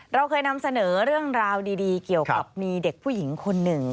เราเคยนำเสนอเรื่องราวดีเกี่ยวกับมีเด็กผู้หญิงคนหนึ่ง